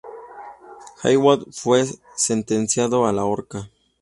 Heywood fue sentenciado a la horca.